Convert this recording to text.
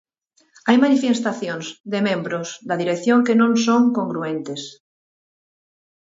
Hai manifestacións de membros da dirección que non son congruentes.